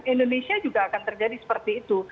indonesia juga akan terjadi seperti itu